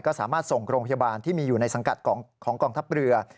ก็สามารถส่งโรงพยาบาลที่มีอยู่ในสังกัดของกองทัพเรือ